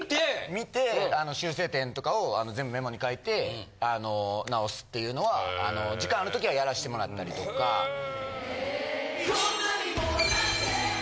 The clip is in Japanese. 見て修正点とかを全部メモに書いてあの直すっていうのは時間ある時はやらしてもらったりとか。へ。